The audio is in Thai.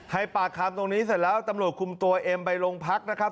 ให้ปากคำตรงนี้เสร็จแล้วตำรวจคุมตัวเอ็มไปโรงพักนะครับ